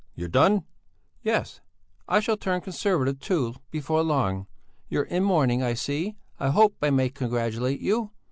You're done!" "Yes! I shall turn Conservative too, before long. You're in mourning, I see; I hope I may congratulate you."